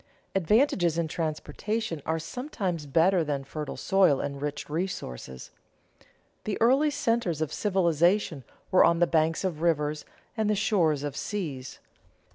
Advantages in transportation are sometimes better than fertile soil and rich resources. The early centers of civilization were on the banks of rivers and the shores of seas.